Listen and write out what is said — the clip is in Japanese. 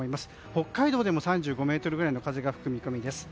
北海道でも３５メートルぐらいの風が吹く見込みです。